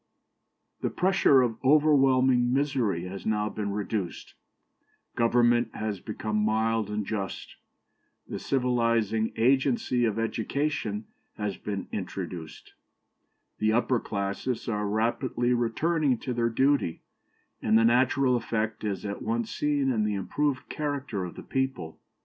The pressure of overwhelming misery has now been reduced; government has become mild and just; the civilizing agency of education has been introduced; the upper classes are rapidly returning to their duty, and the natural effect is at once seen in the improved character of the people.